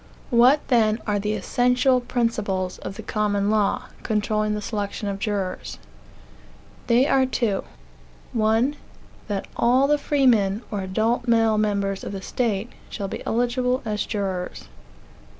What, then, are the essential principles of the common law, controlling the selection of jurors? They are two. 1. That all the freemen, or adult male members of the state, shall be eligible as jurors.